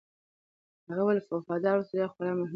هغه وویل، وفادار اوسېدل خورا مهم دي.